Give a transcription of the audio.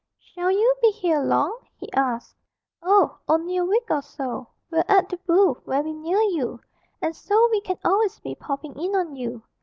'Shall you be here long?' he asked. 'Oh, only a week or so; we're at the "Bull," very near you; and so we can always be popping in on you.